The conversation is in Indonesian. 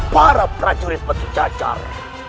para prajurit batu jajar